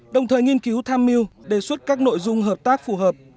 đồng thời nghiên cứu tham mưu đề xuất các nội dung hợp tác phù hợp